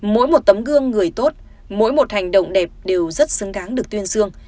mỗi một tấm gương người tốt mỗi một hành động đẹp đều rất xứng đáng được tuyên dương